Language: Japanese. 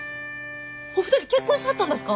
お二人結婚しはったんだすか！？